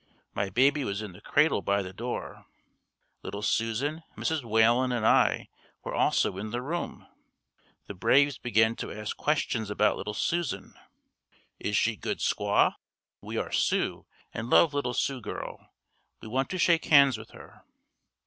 My baby was in the cradle by the door. Little Susan, Mrs. Whalen and I were also in the room. The braves began to ask questions about little Susan, "Is she good squaw? We are Sioux and love little Sioux girl. We want to shake hands with her."